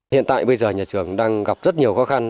hiện tại bây giờ nhà trường đang gặp rất nhiều khó khăn